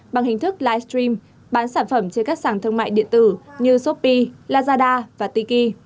bằng hình thức livestream bán sản phẩm trên các sản thương mại điện tử như shopee lazada và tiki